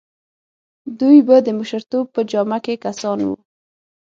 دوی به د مشرتوب په جامه کې کسان وو.